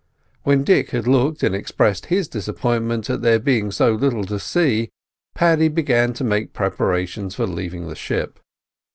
When Dick had looked and expressed his disappointment at there being so little to see, Paddy began to make preparations for leaving the ship.